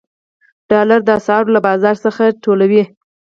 ډالر د اسعارو له بازار څخه ټولوي.